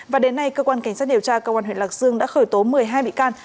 và đến nay cơ quan cảnh sát điều tra công an huyện lạc dương đã khởi tố một mươi hai bị can